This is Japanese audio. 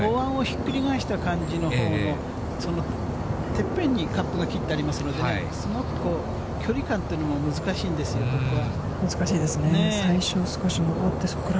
おわんをひっくり返した感じのほうの、そのてっぺんにカップが切ってありますのでね、すごくこう、距離感というのも難しいんですよ、ここは。